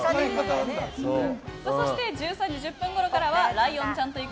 そして１３時１０分ごろからはライオンちゃんと行く！